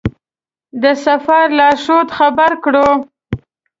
د سفر لارښود خبر کړو.